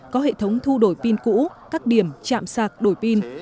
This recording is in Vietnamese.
có hệ thống thu đổi pin cũ các điểm chạm sạc đổi pin